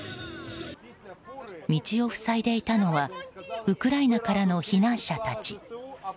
道を塞いでいたのはウクライナからの避難者たち。